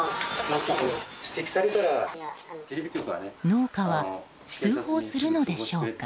農家は通報するのでしょうか。